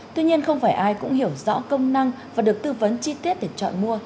tuy nhiên không phải ai cũng hiểu rõ công năng và được tư vấn chi tiết để chọn mua